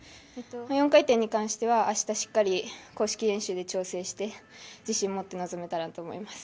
４回転に関しては明日しっかり公式練習で調整して自信を持って臨めたらと思います。